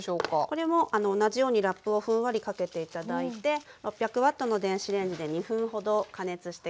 これも同じようにラップをふんわりかけて頂いて６００Ｗの電子レンジで２分ほど加熱して下さい。